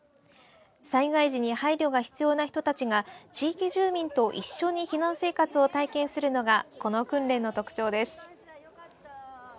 災害時に配慮が必要な人たちが地域住民と一緒に避難生活を体験するのがこの訓練の特徴です。